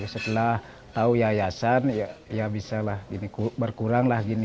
setelah tahu yayasan ya bisa lah berkurang lah gini